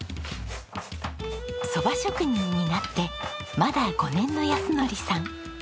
蕎麦職人になってまだ５年の靖典さん。